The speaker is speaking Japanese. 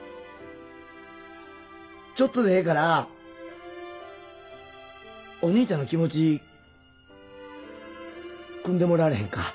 ちょっとでええからお兄ちゃんの気持ちくんでもらわれへんか？